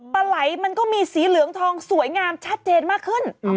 ปลาไหลมันก็มีสีเหลืองทองสวยงามชัดเจนมากขึ้น